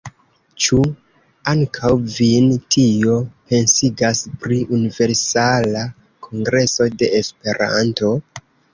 Ĉu ankaŭ vin tio pensigas pri Universala Kongreso de Esperanto?